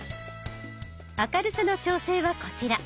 明るさの調整はこちら。